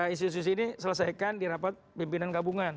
isu isu ini selesaikan di rapat pimpinan gabungan